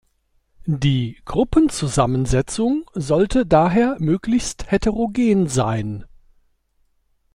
Die "Gruppen-Zusammensetzung" sollte daher möglichst heterogen sein.